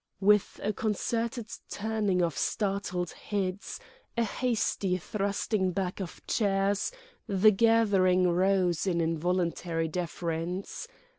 With a concerted turning of startled heads, a hasty thrusting back of chairs, the gathering rose in involuntary deference.